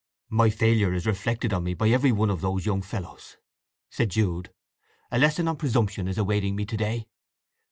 "My failure is reflected on me by every one of those young fellows," said Jude. "A lesson on presumption is awaiting me to day!